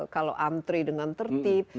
kalau antre dengan tertib